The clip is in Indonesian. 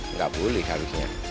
nggak boleh seharusnya